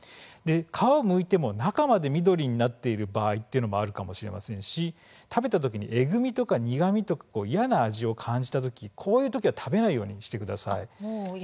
皮をむいても中まで緑になっている場合というのもあるかもしれませんし食べた時に、えぐみとか苦みとか嫌な味を感じた時そういう時は食べないようにしてください。